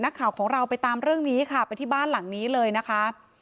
นักข่าวของเราไปตามเรื่องนี้ค่ะไปที่บ้านหลังนี้เลยนะคะ